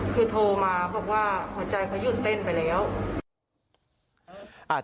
คือโทรมาบอกว่าหัวใจเขาหยุดเต้นไปแล้ว